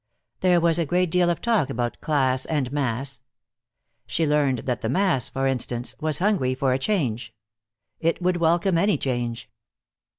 There was a great deal of talk about class and mass. She learned that the mass, for instance, was hungry for a change. It would welcome any change.